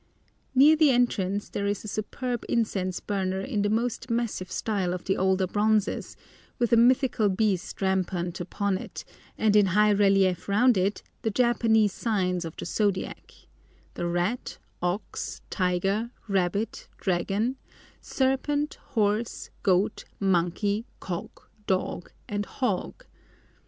Near the entrance there is a superb incense burner in the most massive style of the older bronzes, with a mythical beast rampant upon it, and in high relief round it the Japanese signs of the zodiac—the rat, ox, tiger, rabbit, dragon, serpent, horse, goat, monkey, cock, dog, and hog.